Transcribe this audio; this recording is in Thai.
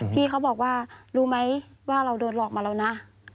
พี่เขาบอกว่ารู้ไหมว่าเราโดนหลอกมาแล้วนะ